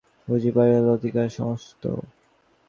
বুঝিতে পারিল, ললিতার সমস্ত অন্তঃকরণ সংকুচিত হইয়া উঠিয়াছে।